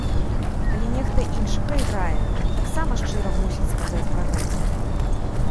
Калі нехта іншы прайграе, таксама шчыра мусіць сказаць пра гэта.